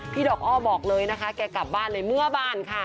ดอกอ้อบอกเลยนะคะแกกลับบ้านเลยเมื่อบ้านค่ะ